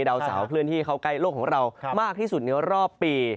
ดาวเสาเคลื่อนที่เข้าใกล้โลกของเรามากที่สุดในรอบปี